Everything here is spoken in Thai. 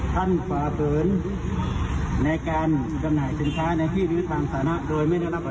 ท่านฝาเงินในการดำหน่ายเงินช้าในที่ริวสารสาธารณะโดยไม่ได้รับอาวุธ